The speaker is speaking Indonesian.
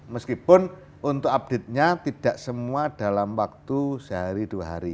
meskipun untuk update nya tidak semua dalam waktu sehari dua hari